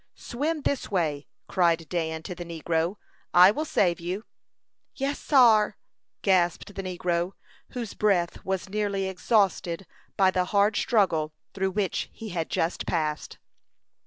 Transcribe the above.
"Swim this way," cried Dan to the negro. "I will save you." "Yes, sar," gasped the negro, whose breath was nearly exhausted by the hard struggle through which he had just passed.